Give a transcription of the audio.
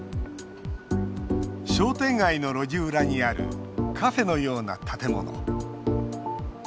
商店街の路地裏にあるカフェのような建物。